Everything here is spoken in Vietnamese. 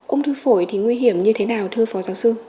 ung thư phổi thì nguy hiểm như thế nào thưa phó giáo sư